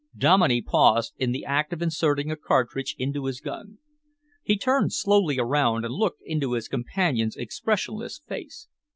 Dominey paused in the act of inserting a cartridge into his gun. He turned slowly around and looked into his companion's expressionless face.